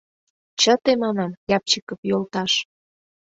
— Чыте, манам, Рябчиков йолташ.